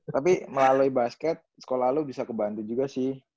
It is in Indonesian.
tapi melalui basket sekolah lu bisa kebantu juga sih